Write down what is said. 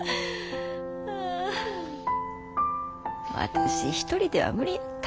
私一人では無理やった。